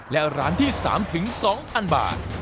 และร้านที่สามถึงสองพันบาท